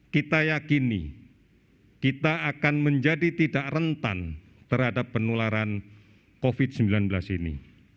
kita yakini kita akan menjadi tidak rentan terhadap penularan covid sembilan belas ini